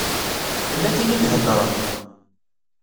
Tella tin i iheddṛen.